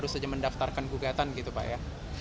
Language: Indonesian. saya mendaftarkan gugatan gitu pak ya